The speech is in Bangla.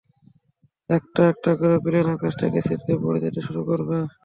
একটা একটা করে প্লেন আকাশ থেকে ছিটকে পড়ে যেতে শুরু করবে!